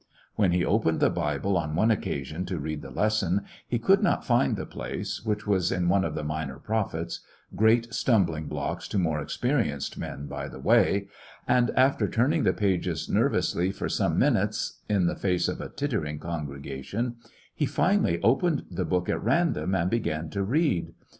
When he opened the Bible on one occasion to read the lesson, he could not find the place, which was in one of the minor prophets,— great stumbling blocks to more experienced men, by the way,— and after turning the pages nervously for some minutes in the face of a tittering congregation, he finally opened the book at random and began to read.